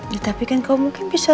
ya tapi kan kau mungkin bisa